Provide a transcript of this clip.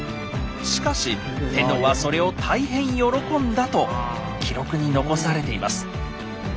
しかし天皇はそれを大変喜んだと記録に残されています。